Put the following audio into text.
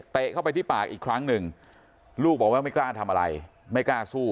เข้าไปที่ปากอีกครั้งหนึ่งลูกบอกว่าไม่กล้าทำอะไรไม่กล้าสู้